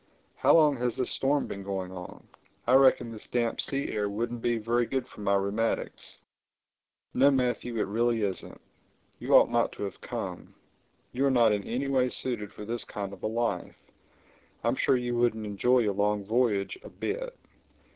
How long has this storm been going on? I reckon this damp sea air wouldn't be very good for my rheumatics." "No, Matthew it really isn't. You ought not to have come. You are not in any way suited to this kind of a life. I'm sure you wouldn't enjoy a long voyage a bit.